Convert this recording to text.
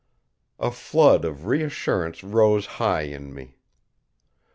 A flood of reassurance rose high in me.